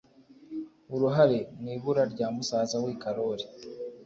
uruhare mu ibura rya musaza we karori